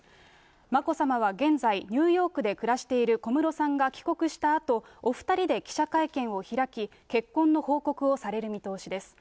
眞子さまは現在、ニューヨークで暮らしている小室さんが帰国したあと、お２人で記者会見を開き、結婚の報告をされる見通しです。